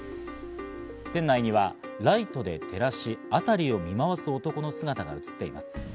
店内にはライトで照らし、あたりを見回す男の姿が映っています。